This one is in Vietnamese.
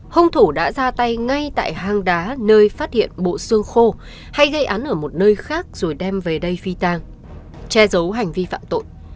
hung thủ đã ra tay ngay tại hang đá nơi phát hiện bộ xương khô hay gây án ở một nơi khác rồi đem về đây phi tang che giấu hành vi phạm tội